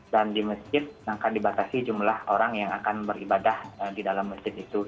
dan di masjid akan dibatasi jumlah orang yang akan beribadah di dalam masjid itu